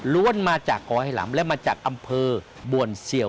ล้วนมาจากเกาะไหล่หล่ำและมาจากอำเภอบวนเซียว